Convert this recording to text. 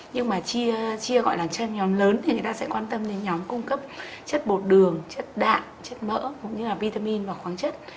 nhưng mà chia gọi là cho nhóm lớn thì người ta sẽ quan tâm đến nhóm cung cấp chất bột đường chất đạn chất mỡ cũng như là vitamin và khoáng chất